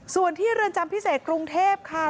ส่วนที่เรือนจำพิเศษกรุงเทพค่ะ